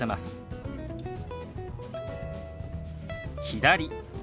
「左」。